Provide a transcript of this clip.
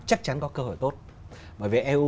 chắc chắn có cơ hội tốt bởi vì eu